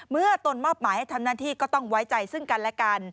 เพื่อต้นมอบหมายให้ทำนาที่ก็ต้องไว้ใจซึ่งกันและ